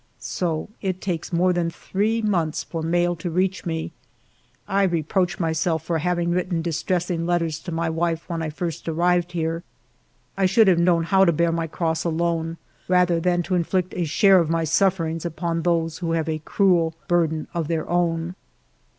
So it takes more than three months for mail to reach me ! I reproach myself for having written distressing letters to my wife when I first arrived here. I should have known how to bear my cross alone, rather than to inflict a share of mv sufferings upon those who have a cruel burden of their own.